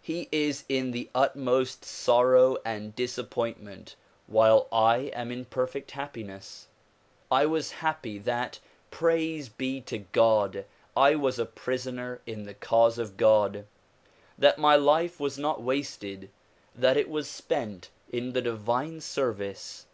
He is in the utmost sorrow and disappointment while I am in perfect happiness. I was happy that — praise be to God! — I was a prisoner in the cause of God, that my life was not wasted, that it was spent in the divine service.